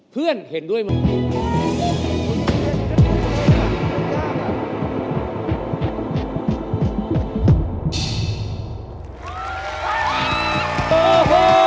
เพื่อนเห็นด้วยมั้ง